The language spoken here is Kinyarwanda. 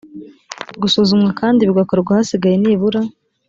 gusuzumwa kandi bigakorwa hasigaye nibura